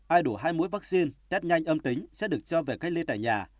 ai đủ hai mũi vaccine test nhanh âm tính sẽ được cho về cách ly tại nhà